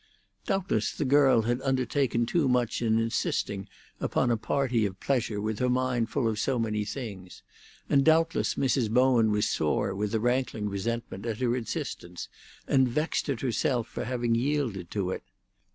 Doubtless the girl had undertaken too much in insisting upon a party of pleasure with her mind full of so many things, and doubtless Mrs. Bowen was sore with a rankling resentment at her insistence, and vexed at herself for having yielded to it.